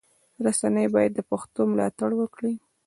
رسنی باید د پښتو ملاتړ وکړي.